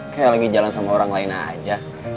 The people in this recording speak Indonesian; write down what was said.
kayak lagi jalan sama orang lain aja